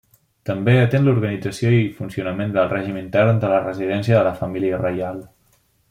També atén l'organització i funcionament del règim intern de la residència de la família reial.